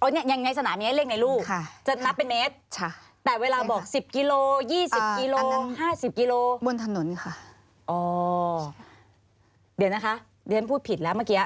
เดี๋ยวชั้นพูดผิดแล้วเมื่อกี้